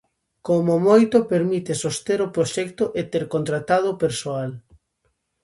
Como moito permite soster o proxecto e ter contratado o persoal.